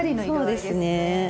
そうですね。